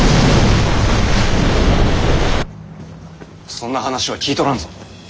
そんな話は聞いとらんぞ。